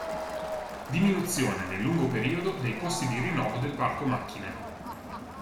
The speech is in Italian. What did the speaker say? Diminuzione nel lungo periodo dei costi di rinnovo del parco macchine.